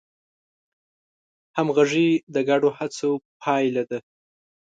همغږي د ګډو هڅو پایله ده.